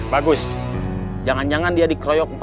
bagus jangan jangan dia dikeroyok